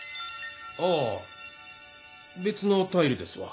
ああべつのタイルですわ。